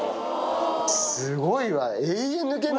すごいわ。